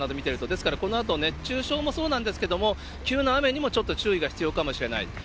ですから、このあと熱中症もそうなんですけれども、急な雨にもちょっと注意が必要かもしれない。